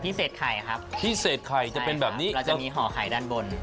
เศษไข่ครับพิเศษไข่จะเป็นแบบนี้เราจะมีห่อไข่ด้านบน